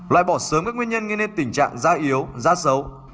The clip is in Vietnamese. loại bỏ sớm các nguyên nhân gây nên tình trạng da yếu da xấu